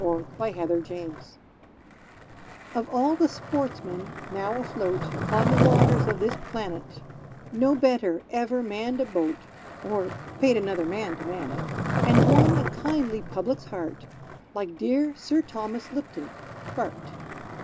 Sir Thomas Lipton Of all the sportsmen now afloat Upon the waters of this planet, No better ever manned a boat, (Or paid another man to man it,) And won a kindly public's heart Like dear Sir Thomas Lipton, Bart.